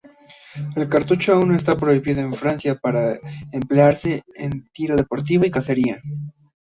El cartucho aún está prohibido en Francia para emplearse en tiro deportivo y cacería.